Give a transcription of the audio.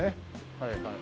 はいはい。